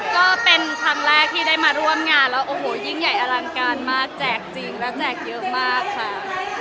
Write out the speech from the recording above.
ก็เป็นครั้งแรกที่ได้มาร่วมงานแล้วโอ้โหยิ่งใหญ่อลังการมากแจกจริงและแจกเยอะมากค่ะ